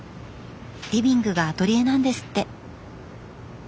リビングがアトリエなんですって。